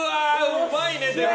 うまいね、でも。